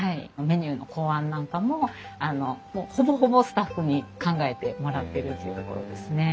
メニューの考案なんかもほぼほぼスタッフに考えてもらってるっていうところですね。